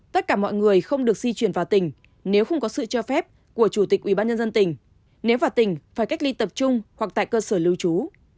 tất cả mọi người không được di chuyển vào tỉnh nếu không có sự cho phép của chủ tịch ubnd tỉnh nếu vào tỉnh phải cách ly tập trung hoặc tại cơ sở lưu trú